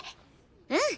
うん。